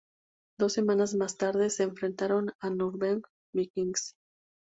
Dos semanas más tarde, se enfrentaron a Nürnberg Vikings.